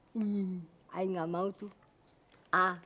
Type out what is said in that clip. saya gak mau tuh